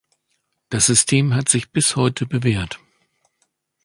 Das System hat sich bis heute bewährt.